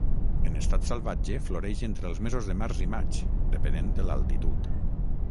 En estat salvatge, floreix entre els mesos de març i maig, depenent de l'altitud.